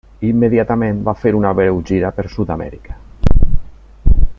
Immediatament va fer una breu gira per Sud-amèrica.